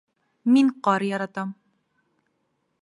Мин ҡар яратам